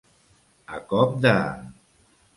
A cop de.